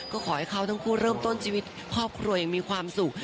ก็ขอให้เขาทั้งคู่เริ่มต้นชีวิตครอบครัวยังมีความสุข